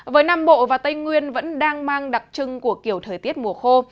với nam bộ và tây nguyên vẫn đang mang đặc trưng của kiểu thời tiết mùa khô